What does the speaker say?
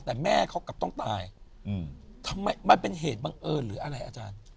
แต่แม่เขากลับต้องตายทำไมมันเป็นเหตุบังเอิญหรืออะไรอาจารย์